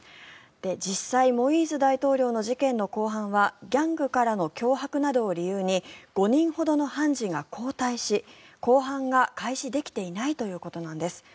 実際モイーズ大統領の事件の公判はギャングからの脅迫などを理由に５人ほどの判事が交代し公判が開始できていないということなんです。